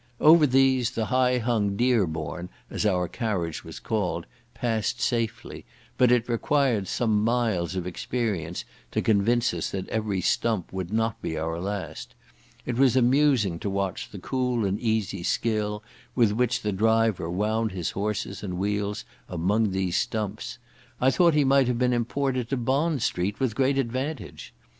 Over these, the high hung Deerborn, as our carriage was called, passed safely; but it required some miles of experience to convince us that every stump would not be our last; it was amusing to watch the cool and easy skill with which the driver wound his horses and wheels among these stumps. I thought he might have been imported to Bond street with great advantage.